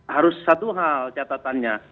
harus satu hal catatannya